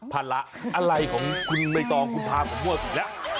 ภาระอะไรของคุณเมตองคุณทามของม่วงอีกแล้ว